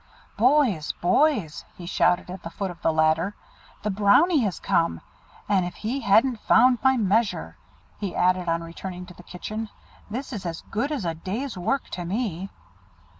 "Boys! boys!" he shouted at the foot of the ladder, "the Brownie has come! and if he hasn't found my measure!" he added on returning to the kitchen; "this is as good as a day's work to me."